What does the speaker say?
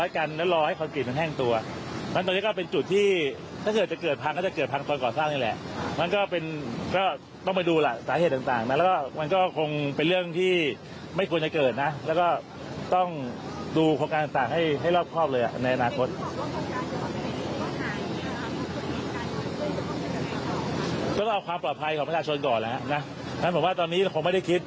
ก็ต้องเอาความปลอบภัยของประชาชนก่อนแล้วนะฉะนั้นผมว่าตอนนี้คงไม่ได้คิด